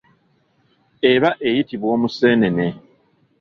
Eba eyitibwa omusenene.